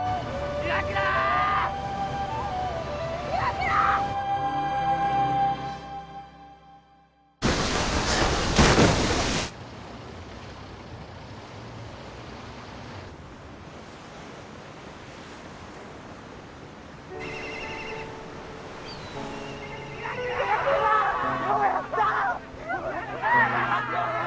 岩倉、ようやった！